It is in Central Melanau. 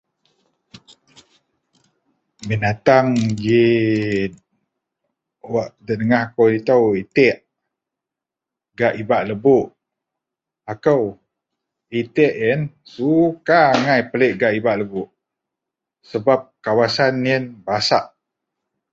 bentang ji wak degah kou itou itiek gak ibak lebok akou, itiek ien suka agai pelik gak ibak lebok, sebab kawasan ien basah